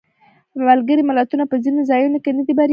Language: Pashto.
ملګري ملتونه په ځینو ځایونو کې نه دي بریالي شوي.